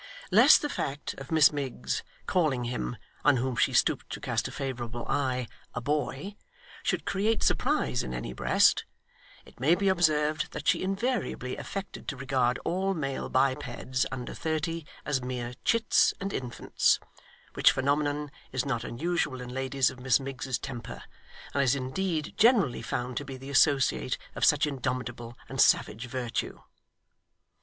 Lest the fact of Miss Miggs calling him, on whom she stooped to cast a favourable eye, a boy, should create surprise in any breast, it may be observed that she invariably affected to regard all male bipeds under thirty as mere chits and infants; which phenomenon is not unusual in ladies of Miss Miggs's temper, and is indeed generally found to be the associate of such indomitable and savage virtue.